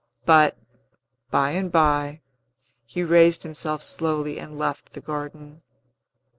But, by and by, he raised himself slowly and left the garden.